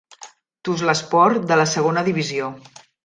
Tuzlaspor de la segona divisió.